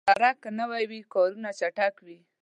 سړک که نوي وي، کارونه چټک وي.